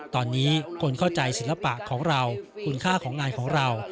ตอนนี้คนเข้าใจศิลปะของเราคุณค่าของงานของเรา